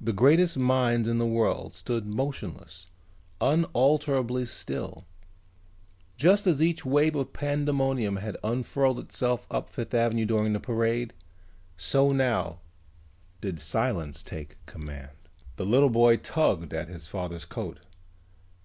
The greatest minds in the world stood motionless, unalterably still. Just as each wave of pandemonium had unfurled itself up Fifth Avenue during the parade, so now did silence take command. The little boy tugged at his father's coat.